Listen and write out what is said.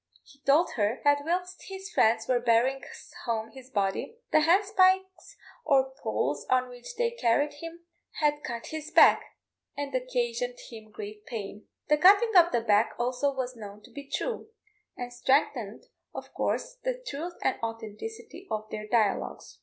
He told her that whilst his friends were bearing home his body, the handspikes or poles on which they carried him had cut his back, and occasioned him great pain! The cutting of the back also was known to be true, and strengthened, of course, the truth and authenticity of their dialogues.